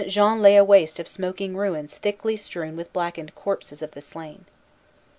Jean lay a waste of smoking ruins thickly strewn with blackened corpses of the slain.